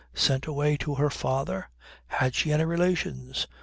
Sent away to her father? Had she any relations?